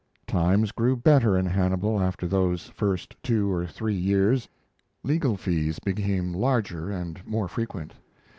Times grew better in Hannibal after those first two or three years; legal fees became larger and more frequent.